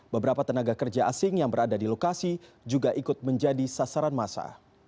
beberapa tenaga kerja asing yang berada di lokasi juga ikut menjadi sasaran masa